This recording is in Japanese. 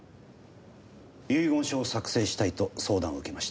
遺言書を作成したいと相談を受けました。